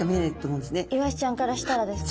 イワシちゃんからしたらですか？